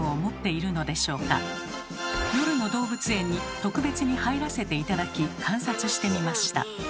夜の動物園に特別に入らせて頂き観察してみました。